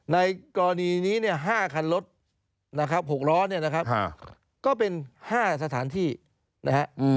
ในกรณีนี้เนี่ย๕คันรถนะครับ๖ล้อเนี่ยนะครับก็เป็น๕สถานที่นะฮะ